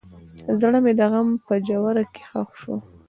زړه مې د غم په ژوره کې ښخ شو.